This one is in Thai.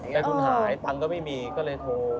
แต่คุณหายตังค์ก็ไม่มีก็เลยโทร